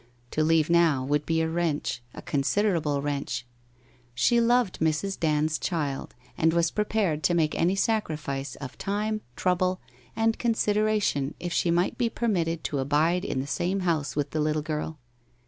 To leave now would be a wrench — a considerable wrench. She loved Mrs. Dand's child, and was prepared to make any sacrifice of time, trouble, and consideration if she might be permitted to abide in the same house with the little girl.